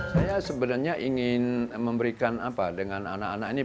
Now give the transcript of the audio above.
saya sebenarnya ingin memberikan apa dengan anak anak ini